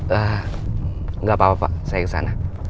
gak apa apa pak saya kesana